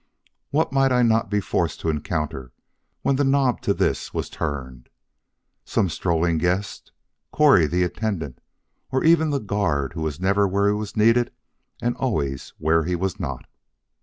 "What might I not be forced to encounter when the knob to this was turned! Some strolling guest Correy the attendant or even the guard who was never where he was needed and always where he was not!